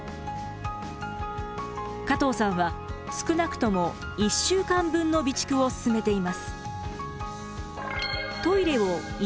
加藤さんは少なくとも１週間分の備蓄をすすめています。